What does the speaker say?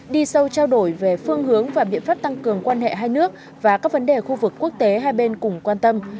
đi sâu trao đổi về phương hướng và biện pháp tăng cường quan hệ hai nước và các vấn đề khu vực quốc tế hai bên cùng quan tâm